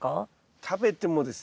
食べてもですね